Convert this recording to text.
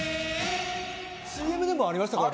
ＣＭでもありましたからね